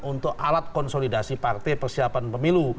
untuk alat konsolidasi partai persiapan pemilu